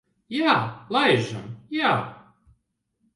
Jā, laižam. Jā.